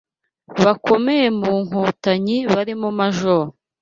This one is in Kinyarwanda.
bakomeye mu Nkotanyi barimo Majoro